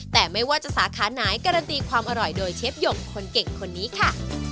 แต่ไม่ว่าจะสาขาไหนการันตีความอร่อยโดยเชฟหยกคนเก่งคนนี้ค่ะ